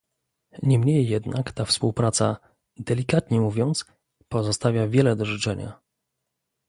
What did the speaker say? Niemniej jednak ta współpraca, delikatnie mówiąc, pozostawia wiele do życzenia